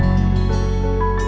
kok gak sampai sampai